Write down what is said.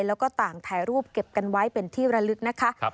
แล้วก็ต่างถ่ายรูปเก็บกันไว้เป็นที่ระลึกนะคะ